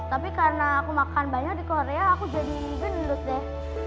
tapi karena aku makan banyak di korea aku jadi gendus deh